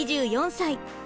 ２４歳。